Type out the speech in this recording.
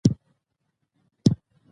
علم د مسؤلیت احساس زیاتوي.